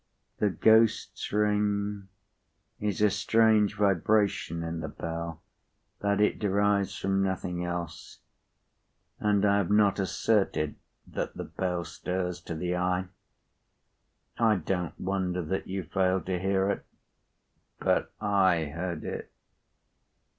The ghost's ring is a strange vibration in the bell that it derives from nothing else, and I have not asserted that the bell stirs to the eye. I p. 104don't wonder that you failed to hear it. But I heard it."